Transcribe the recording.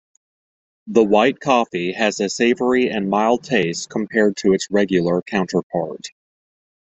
The white coffee has a savory and mild taste compared to its regular counterpart.